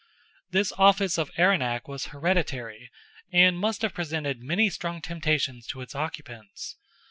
This office of Erenach was hereditary, and must have presented many strong temptations to its occupants.